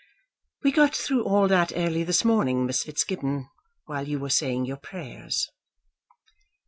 "We got through all that early this morning, Miss Fitzgibbon, while you were saying your prayers."